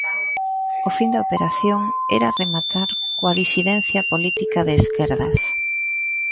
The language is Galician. O fin da operación era rematar coa disidencia política de esquerdas.